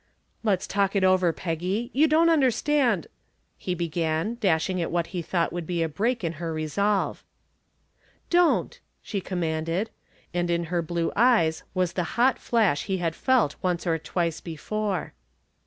"Let's talk it over, Peggy; you don't understand " he began, dashing at what he thought would be a break in her resolve. "Don't!" she commanded, and in her blue eyes was the hot flash he had felt once or twice before.